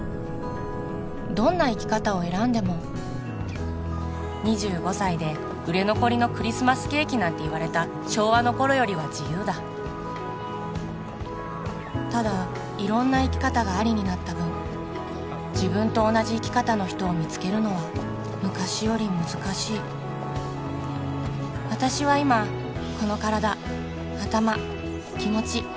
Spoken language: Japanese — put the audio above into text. どんな生き方を選んでも２５歳で売れ残りのクリスマスケーキなんていわれた昭和の頃よりは自由だただ色んな生き方がありになった分自分と同じ生き方の人を見つけるのは昔より難しい私は今この体頭気持ち